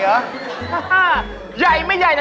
เอ้ยพูดทั้งคุณไอ้ใหญ่หรอก